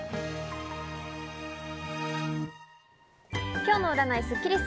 今日の占いスッキリす。